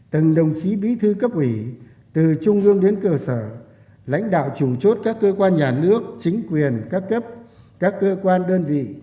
từng đồng chí bí thư cấp ủy từ trung ương đến cơ sở lãnh đạo chủ chốt các cơ quan nhà nước chính quyền các cấp các cơ quan đơn vị